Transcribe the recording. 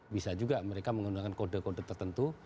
bisa juga mereka menggunakan kode kode tertentu